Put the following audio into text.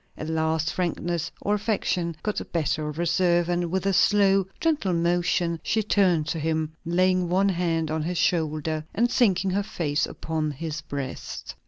At last frankness, or affection, got the better of reserve; and, with a slow, gentle motion she turned to him, laying one hand on his shoulder, and sinking her face upon his breast.